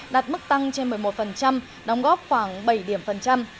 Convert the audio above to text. đạt mức tăng trên một mươi một đóng góp khoảng bảy điểm phần trăm